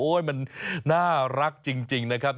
มันน่ารักจริงนะครับ